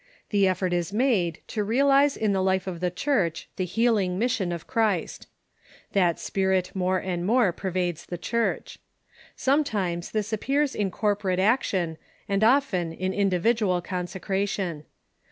The effort is made to realize in the life of the Church the healing mission of Christ. That spirit ^^' ''•"spTrit"""'*' "^^^"^^^"^ "^o''^ pervades the Church. Some times this appears in corporate action, and often in individual consecration.